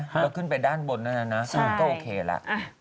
เราขึ้นไปด้านบนอ่ะนะใช่ก็โอเคละ